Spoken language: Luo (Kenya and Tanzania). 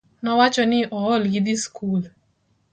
Nowacho ni ool gi dhi skul